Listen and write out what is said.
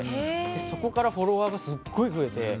そこからフォロワーがすっごい増えて。